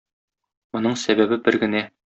Моның сәбәбе бер генә.